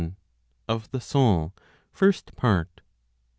Of the Soul, First Part.